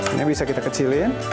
ini bisa kita kecilin